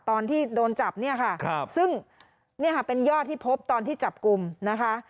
ตอนที่โดนจับเนี่ยค่ะซึ่งเนี่ยค่ะเป็นยอดที่พบตอนที่จับกลุ่มนะคะ